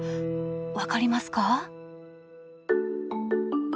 分かりますか？